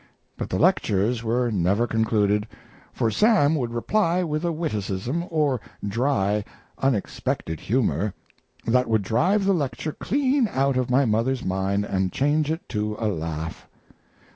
But the lectures were never concluded, for Sam would reply with a witticism, or dry, unexpected humor, that would drive the lecture clean out of my mother's mind, and change it to a laugh.